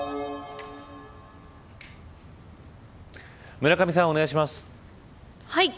村上さん、お願いします。